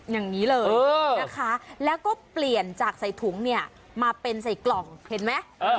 อย่างนี้เลยนะคะแล้วก็เปลี่ยนจากใส่ถุงเนี่ยมาเป็นใส่กล่องเห็นไหม